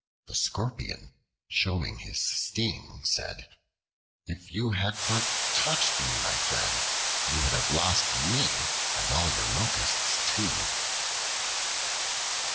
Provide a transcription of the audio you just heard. The Scorpion, showing his sting, said: "If you had but touched me, my friend, you would have lost me, and all your locusts too!"